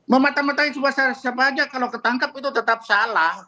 mematamatai siapa saja kalau ketangkap itu tetap salah